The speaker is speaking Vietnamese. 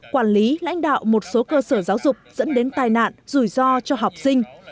quản lý lãnh đạo một số cơ sở giáo dục dẫn đến tai nạn rủi ro cho học sinh